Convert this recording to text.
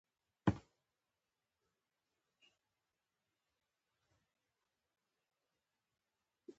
تر هغو چې راځم ورځپاڼې ولوله، خامخا ځې؟